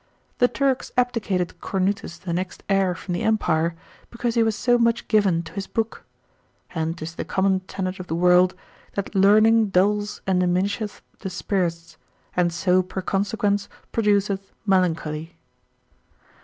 The Turks abdicated Cornutus the next heir from the empire, because he was so much given to his book: and 'tis the common tenet of the world, that learning dulls and diminisheth the spirits, and so per consequens produceth melancholy.